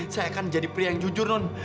saya akan jadi pria yang jujur non